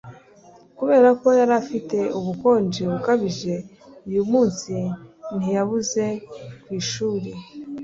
Kubera ko yari afite ubukonje bukabije uyu munsi ntiyabuze ku ishuri